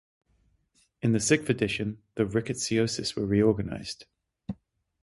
In the sixth edition the rickettsioses were reorganized.